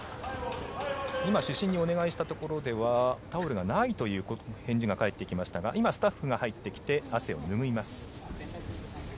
今、主審にお願いしたところではタオルがないという返事が返ってきましたが今、スタッフが入ってきて汗を拭います。